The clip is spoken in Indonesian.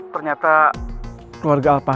ternyata keluarga arfari